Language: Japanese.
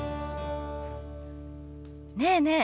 ねえねえ